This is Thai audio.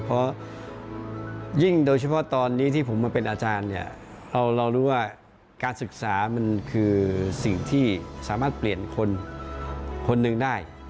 เพราะยิ่งโดยเฉพาะตอนนี้ที่ผมมาเป็นอาจารย์เนี่ยเรารู้ว่าการศึกษามันคือสิ่งที่สามารถเปลี่ยนคนหนึ่งได้